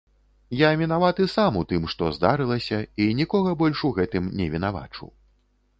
Я вінаваты сам у тым, што здарылася, і нікога больш у гэтым не вінавачу.